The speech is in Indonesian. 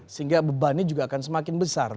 sehingga bebannya juga akan semakin besar